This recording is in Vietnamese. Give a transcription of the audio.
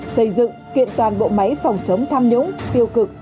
xây dựng kiện toàn bộ máy phòng chống tham nhũng tiêu cực